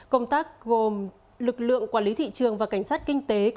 công tác gồm lực lượng quản lý thị trường và cảnh sát kinh tế